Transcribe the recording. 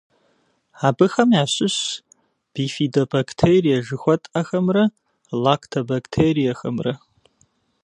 Абыхэм ящыщщ бифидобактерие жыхуэтӏэхэмрэ лактобактериехэмрэ.